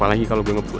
apalagi kalau gue ngebut